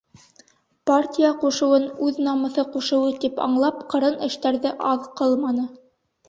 Партия ҡушыуын үҙ намыҫы ҡушыуы тип аңлап, ҡырын эштәрҙе аҙ ҡылманы.